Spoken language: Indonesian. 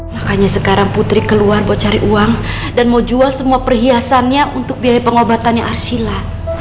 makanya sekarang putri keluar buat cari uang dan mau jual semua perhiasannya untuk biaya pengobatannya arshila